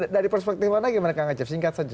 dari perspektif mana gimana kang acep singkat saja